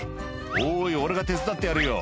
「おい俺が手伝ってやるよ」